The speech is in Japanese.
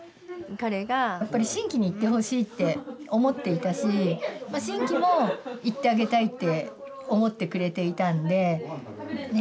彼がやっぱり真気に行ってほしいって思っていたし真気も行ってあげたいって思ってくれていたんでね